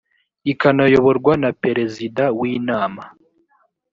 ikanayoborwa na perezida w inama